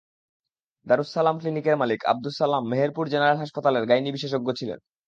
দারুস সালাম ক্লিনিকের মালিক আবদুস সালাম মেহেরপুর জেনারেল হাসপাতালের গাইনি বিশেষজ্ঞ ছিলেন।